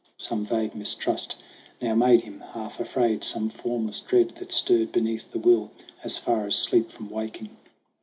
Some vague mistrust now made him half afraid Some formless dread that stirred beneath the will As far as sleep from waking.